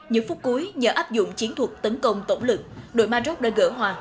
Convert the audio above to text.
những phút cuối nhờ áp dụng chiến thuật tấn công tổng lực đội maroc đã gỡ hòa